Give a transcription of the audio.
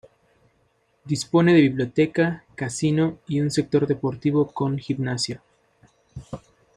Dispone de biblioteca, casino y un sector deportivo con gimnasio.